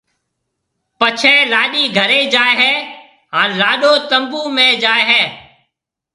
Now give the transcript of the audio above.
پڇيَ لاڏِي گھرَي جائيَ ھيََََ ھان لاڏو تنمبُو ۾ جائيَ ھيََََ